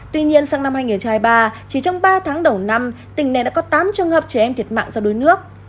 tuy nhiên sang năm hai nghìn hai mươi ba chỉ trong ba tháng đầu năm tỉnh này đã có tám trường hợp trẻ em thiệt mạng do đuối nước